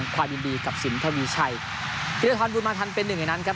ความยินดีกับสินทวีชัยธีรทรบุญมาทันเป็นหนึ่งในนั้นครับ